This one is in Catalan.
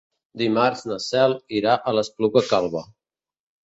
Dimarts na Cel irà a l'Espluga Calba.